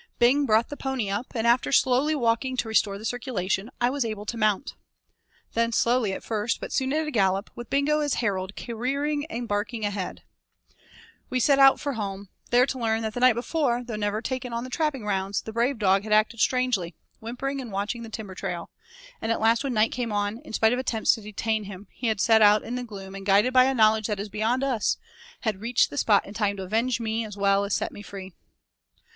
Bing brought the pony up, and after slowly walking to restore the circulation I was able to mount. Then slowly at first but soon at a gallop, with Bingo as herald careering and barking ahead, we set out for home, there to learn that the night before, though never taken on the trapping rounds, the brave dog had acted strangely, whimpering and watching the timber trail; and at last when night came on, in spite of attempts to detain him he had set out in the gloom and guided by a knowledge that is beyond us had reached the spot in time to avenge me as well as set me free.